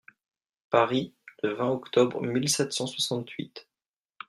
Paris, le vingt octobre mille sept cent soixante-huit.